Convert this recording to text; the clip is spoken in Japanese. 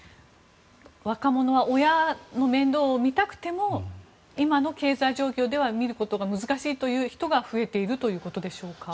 若者は親の面倒を見たくても今の経済状況では見ることが難しいという人が増えているということでしょうか。